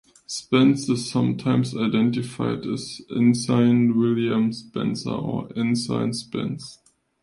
Spence is sometimes identified as Ensign William Spence or Ensign Spence.